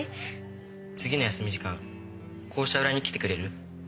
次の休み時間校舎裏に来てくれる？